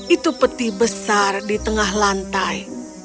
itu peti besar di tengah lantai